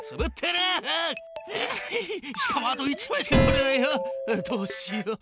どうしよう。